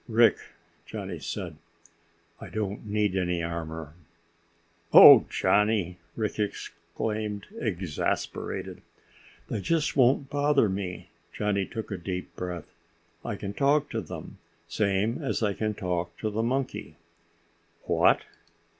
"Rick," Johnny said, "I don't need any armor." "Oh, Johnny!" Rick exclaimed, exasperated. "They just won't bother me." Johnny took a deep breath. "I can talk to them, same as I can talk to the monkey!" "What!"